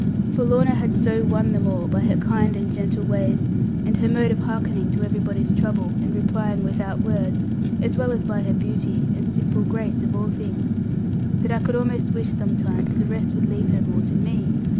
For Lorna had so won them all, by her kind and gentle ways, and her mode of hearkening to everybody's trouble, and replying without words, as well as by her beauty, and simple grace of all things, that I could almost wish sometimes the rest would leave her more to me.